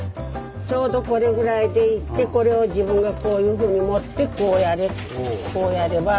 ちょうどこれぐらいでいってこれを自分がこういうふうに持ってこうやる。